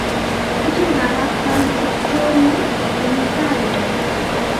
Kuchikunaqa kanchantrawmi puñuykaayan.